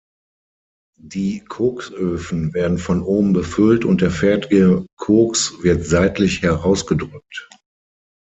Die Koksöfen werden von oben befüllt und der fertige Koks wird seitlich herausgedrückt.